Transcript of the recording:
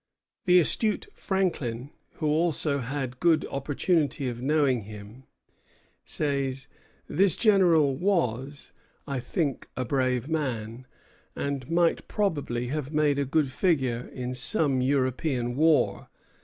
The astute Franklin, who also had good opportunity of knowing him, says: "This general was, I think, a brave man, and might probably have made a good figure in some European war.